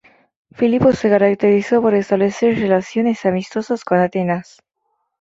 Filipo se caracterizó por establecer relaciones amistosas con Atenas.